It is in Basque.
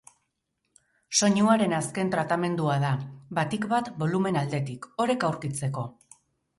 Soinuaren azken tratamendua da, batik bat bolumen aldetik, oreka aurkitzeko.